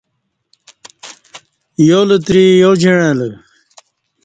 یالتری یا جعݩلہ